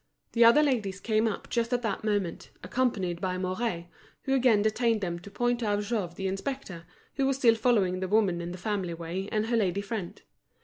The other ladies came up just at that moment, accompanied by Mouret, who again detained them to point out Jouve the inspector, who was still following the woman in the family way and her lady friend.